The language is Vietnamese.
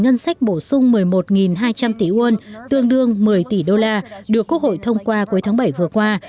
ngân sách bổ sung một mươi một hai trăm linh tỷ won tương đương một mươi tỷ đô la được quốc hội thông qua cuối tháng bảy vừa qua